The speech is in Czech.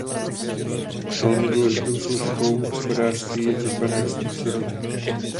Velmi důležitou složkou hospodářství je těžba nerostných surovin.